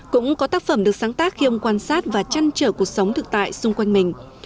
cũng có tác phẩm được sáng tác khi ông quan sát và chăn trở cuộc sống thực tại xung quanh mình